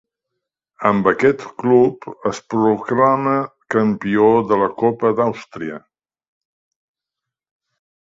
Amb aquest club es proclama campió de la Copa d'Àustria.